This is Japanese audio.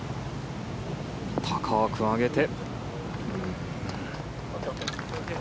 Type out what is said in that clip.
高く上げて。